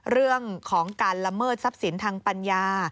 เรื่องของการละเมิดทรัพย์สินทางปัญญา